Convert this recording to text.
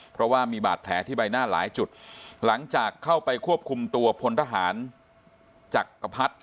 เพราะว่ามีบาดแผลที่ใบหน้าหลายจุดหลังจากเข้าไปควบคุมตัวพลทหารจักรพรรดิ